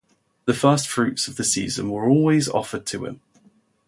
The first-fruits of the season were always offered to him.